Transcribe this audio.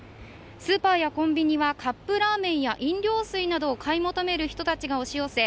スーパーやコンビニはカップラーメンや飲料水を買い求める人々が押し寄せ